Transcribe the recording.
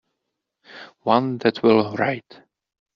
One that will write.